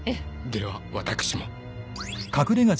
では私も。